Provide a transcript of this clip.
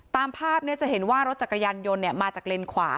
ตามภาพเนี่ยจะเห็นว่ารถจักรยานยนต์เนี่ยมาจากเลนขวา